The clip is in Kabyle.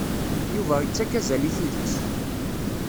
Yuba ittak azal i tidet.